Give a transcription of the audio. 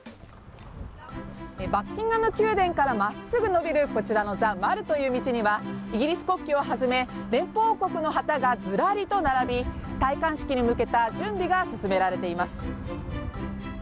バッキンガム宮殿からまっすぐ伸びるこちらのザ・マルという道にはイギリス国旗を初め連邦王国の旗がずらりと並び戴冠式に向けた準備が進められています。